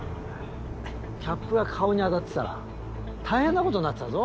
キャップが顔に当たってたら大変なことになってたぞ。